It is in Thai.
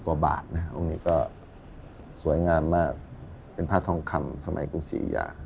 กว่าบาทนะองค์นี้ก็สวยงามมากเป็นผ้าทองคำสมัยกรุงศรียา